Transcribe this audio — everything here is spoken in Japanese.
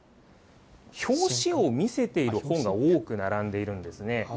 表紙を見せている本が多く並んでいるんですね。